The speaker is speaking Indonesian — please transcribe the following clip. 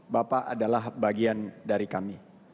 bapak adalah bagian dari kami